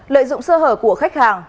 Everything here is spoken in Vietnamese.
lợi dụng sơ hở của khách hàng